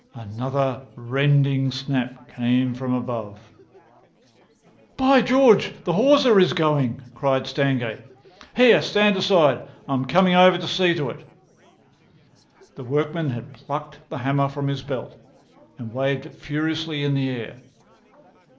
Another rending snap came from above. "By George, the hawser is going!" cried Stangate. "Here! Stand aside! I'm coming over to see to it." The workman had plucked the hammer from his belt, and waved it furiously in the air.